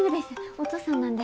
お父さんなんで。